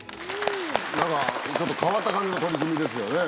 なんかちょっと変わった感じの取り組みですよね。